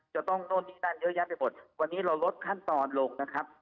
โน่นนี่นั่นเยอะแยะไปหมดวันนี้เราลดขั้นตอนลงนะครับ